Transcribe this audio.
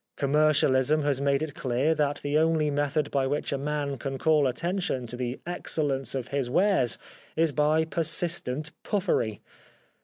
Commercialism has made it clear that the only method by which a man can call attention to the excellence of his wares is by persistent puffery.